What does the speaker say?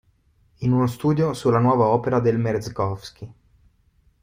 In uno studio su la nuova opera del Merezkowski.